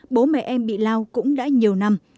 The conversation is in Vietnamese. bố mẹ em bị lao cũng đã nhiều năm